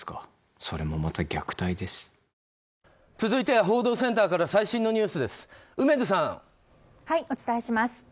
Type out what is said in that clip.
続いては報道センターから最新のニュースです。